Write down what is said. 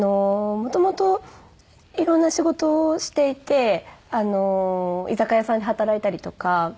元々色んな仕事をしていて居酒屋さんで働いたりとか。